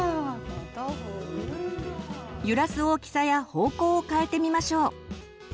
揺らす大きさや方向を変えてみましょう。